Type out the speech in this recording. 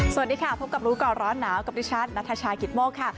สวัสดีค่ะพบกับรู้ก่อนร้อนหนาวกับดิฉันนัทชายกิตโมกค่ะ